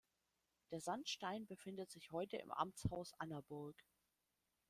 Der Sandstein befindet sich heute im Amtshaus Annaburg.